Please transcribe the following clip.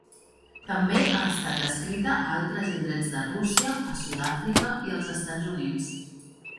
També ha estat descrita a altres indrets de Rússia, a Sud-àfrica i als Estats Units.